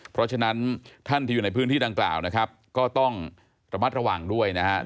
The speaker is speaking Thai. เพราะฉะนั้นท่านที่อยู่ในพื้นที่ดังกล่าวนะครับก็ต้องระมัดระวังด้วยนะครับ